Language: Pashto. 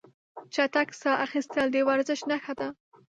چټک ساه اخیستل د ورزش نښه ده.